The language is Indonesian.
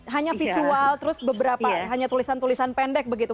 hanya visual terus beberapa hanya tulisan tulisan pendek begitu